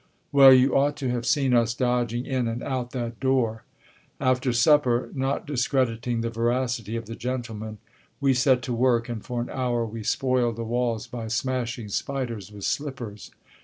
Well, you ought to have seen us dodging in and out that door. After supper, not discrediting the veracity of the gentleman, we set to work, and for an hour we spoiled the walls by smashing spiders with slippers.